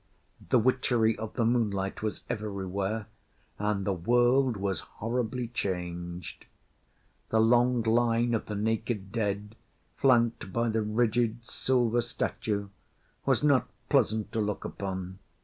The witchery of the moonlight was everywhere; and the world was horribly changed. The long line of the naked dead, flanked by the rigid silver statue, was not pleasant to look upon.